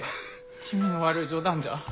気味の悪い冗談じゃ。